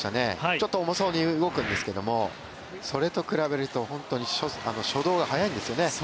ちょっと重そうに動くんですけれどもそれと比べると本当に初動が速いんですよね。